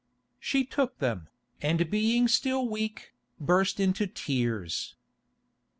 She took them, and being still weak, burst into tears.